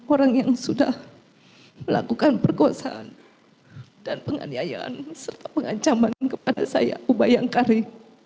orang yang sudah melakukan pergosaan dan penganiayaan serta pengancaman kepada saya uba yangkari